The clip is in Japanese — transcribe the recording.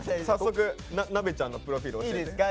早速鍋ちゃんのプロフィール教えて。